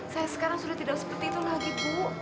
saya sekarang sudah tidak seperti itu lagi bu